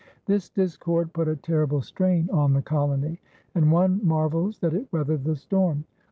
This discord put a terrible strain on the colony, and one marvels that it weathered the storm.